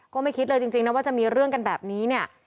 ก็ไม่คิดเลยจริงนะว่าจะมีเรื่องกันแบบนี้เนี่ย